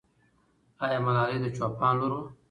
آیا ملالۍ د چوپان لور وه؟